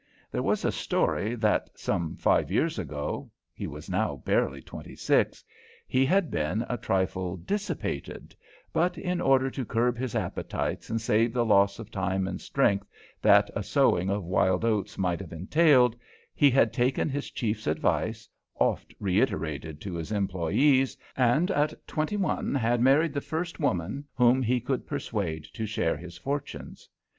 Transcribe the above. There was a story that, some five years ago he was now barely twenty six he had been a trifle 'dissipated,' but in order to curb his appetites and save the loss of time and strength that a sowing of wild oats might have entailed, he had taken his chief's advice, oft reiterated to his employees, and at twenty one had married the first woman whom he could persuade to share his fortunes.